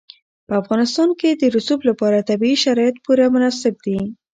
په افغانستان کې د رسوب لپاره طبیعي شرایط پوره مناسب دي.